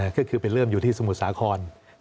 ก็คือไปเริ่มอยู่ที่สมุทรสาคร